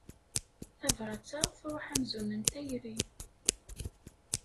Tabṛat-a tṛuḥ amzun n tayri.